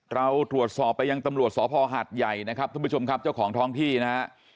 เราตรวจสอบไปยังตำรวจสภหัดใหญ่นะครับทุกผู้ชมครับเจ้าของท้องที่นะฮะ